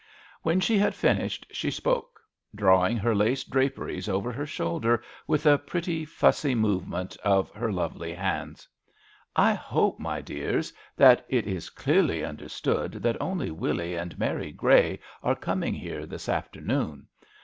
When she had finished, she spoke, drawing her lace draperies over her shoulder with a pretty fussy movement of her lovely hands. I hope, my dears, that it is clearly understood that only N Miss aWbkev xt home. iSi Willie and Mary Grey are coming here this afternoon.